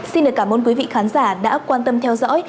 xin cảm ơn quý vị khán giả đã quan tâm theo dõi